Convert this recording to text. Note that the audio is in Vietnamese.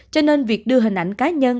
cho nên việc đưa hình ảnh cá nhân